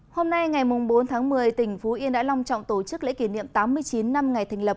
hôm nay ngày bốn tháng một mươi tỉnh phú yên đã long trọng tổ chức lễ kỷ niệm tám mươi chín năm ngày thành lập